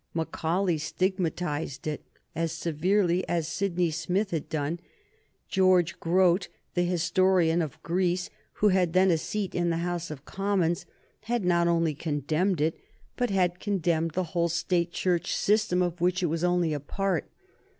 Macaulay stigmatized it as severely as Sydney Smith had done. George Grote, the historian of Greece, who had then a seat in the House of Commons, had not only condemned it, but had condemned the whole State Church system of which it was only a part.